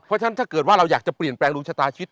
เพราะฉะนั้นถ้าเกิดว่าเราอยากจะเปลี่ยนแปลงดวงชะตาชิด